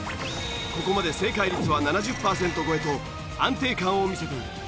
ここまで正解率は７０パーセント超えと安定感を見せている。